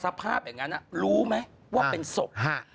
สภาพอย่างนั้นรู้ไหมว่าเป็นศพ